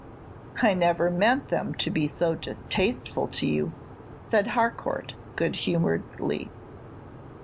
"I never meant them to be so distasteful to you," said Harcourt, good humoredly.